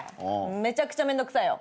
めちゃくちゃめんどくさいよ。